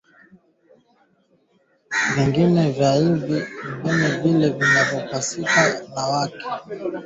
virutubishi vingine vingi viko kwenye viazi lishe pamoja na kuwa na wanga